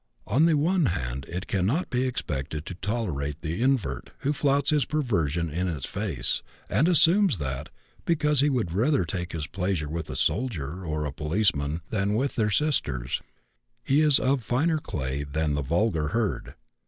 On the one hand, it cannot be expected to tolerate the invert who flouts his perversion in its face, and assumes that, because he would rather take his pleasure with a soldier or a policeman than with their sisters, he is of finer clay than the vulgar herd.